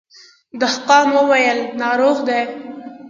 دهقان وويل ناروغ دی.